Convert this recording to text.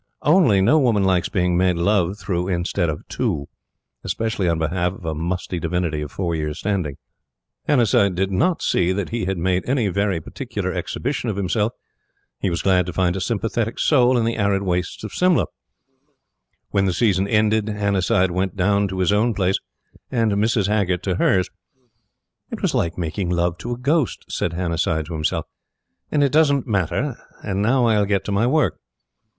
only no woman likes being made love through instead of to specially on behalf of a musty divinity of four years' standing. Hannasyde did not see that he had made any very particular exhibition of himself. He was glad to find a sympathetic soul in the arid wastes of Simla. When the season ended, Hannasyde went down to his own place and Mrs. Haggert to hers. "It was like making love to a ghost," said Hannasyde to himself, "and it doesn't matter; and now I'll get to my work."